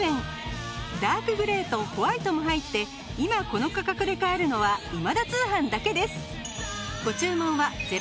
ダークグレーとホワイトも入って今この価格で買えるのは『今田通販』だけです。